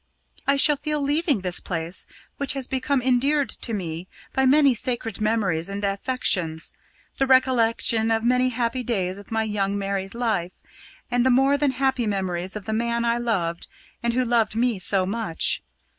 I shall feel leaving this place, which has become endeared to me by many sacred memories and affections the recollection of many happy days of my young married life, and the more than happy memories of the man I loved and who loved me so much.